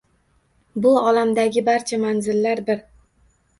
Bu olamdagi barcha manzillar bir.